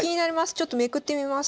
ちょっとめくってみます。